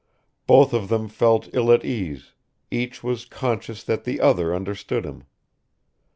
Both of them felt ill at ease; each was conscious that the other understood him.